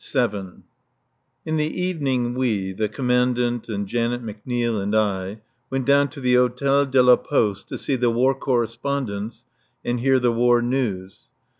In the evening we the Commandant and Janet McNeil and I went down to the Hôtel de la Poste, to see the War Correspondents and hear the War news.